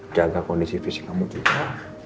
jaga kondisi fisik kamu juga